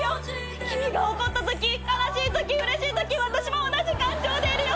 君が怒ったとき悲しいときうれしいとき私も同じ感情でいるよ。